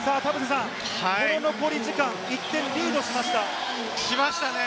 この残り時間、１点リードしました。